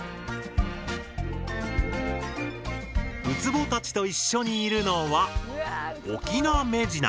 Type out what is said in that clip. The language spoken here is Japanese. ウツボたちと一緒にいるのはオキナメジナ。